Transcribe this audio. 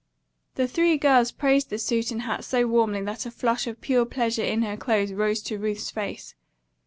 The three girls praised the suit and hat so warmly that a flush of pure pleasure in her clothes rose to Ruth's face.